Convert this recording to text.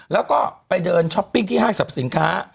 แล้วก็ไปเดินช้อปปิ้งที่ห้างสรรพสินค้า